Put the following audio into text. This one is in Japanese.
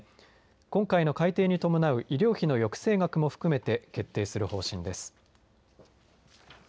今回の改訂に伴う医療費の抑制額も含めて決定する方針です。